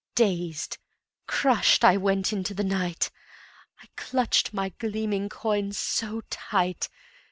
Dazed, crushed, I went into the night, I clutched my gleaming coin so tight.